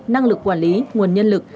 năng lực quản lý nguồn nhân lực